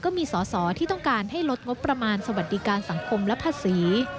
ก็มีสอสอที่ต้องการให้ลดงบประมาณสวัสดิการสังคมและภาษี